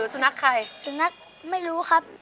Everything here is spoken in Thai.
สูนักไม่รู้ครับ